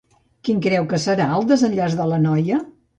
Quin creu que serà el desenllaç de la noia?